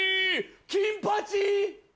金八！